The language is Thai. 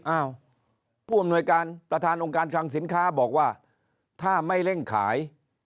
อ้าวผู้อำนวยการประธานองค์การคลังสินค้าบอกว่าถ้าไม่เร่งขาย